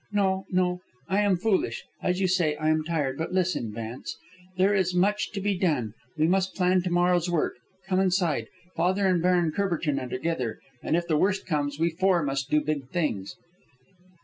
"No, no; I am foolish. As you say, I am tired. But listen, Vance. There is much to be done. We must plan to morrow's work. Come inside. Father and Baron Courbertin are together, and if the worst comes, we four must do big things."